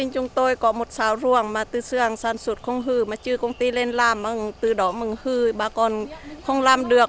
có một xá ruộng mà từ xương sản xuất không hư mà chưa công ty lên làm mà từ đó mà hư bà con không làm được